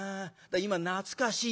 今懐かしいよ。